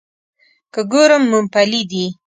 که ګورم مومپلي دي.